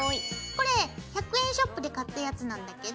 これ１００円ショップで買ったやつなんだけど。